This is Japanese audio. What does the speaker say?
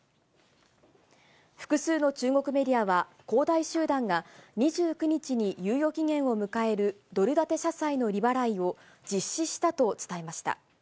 複数の中国メディアは、恒大集団が２９日に猶予期限を迎えるドル建て社債の利払いを実施したと伝えました。